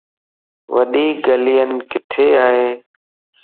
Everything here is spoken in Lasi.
وڏو گيلن ڪٿي ائي؟